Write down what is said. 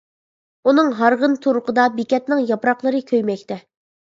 ئۇنىڭ ھارغىن تۇرقىدا بېكەتنىڭ ياپراقلىرى كۆيمەكتە.